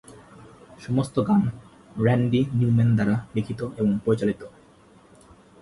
সমস্ত গান Randy Newman দ্বারা লিখিত এবং পরিচালিত।